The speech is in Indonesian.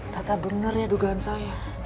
tata benar ya dugaan saya